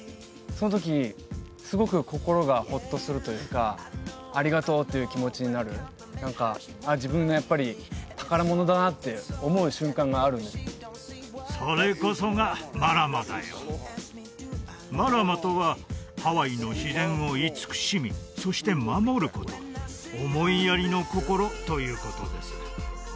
その時すごく心がホッとするというかありがとうっていう気持ちになる何かあっ自分のやっぱり宝物だなって思う瞬間があるマラマとはハワイの自然を慈しみそして守ること思いやりの心ということです